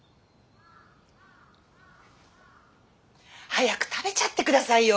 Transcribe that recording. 早く食べちゃって下さいよ。